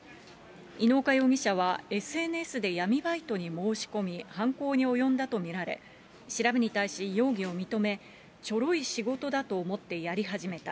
猪岡容疑者はＳＮＳで闇バイトに申し込み、犯行に及んだと見られ、調べに対し、容疑を認め、ちょろい仕事だと思ってやり始めた。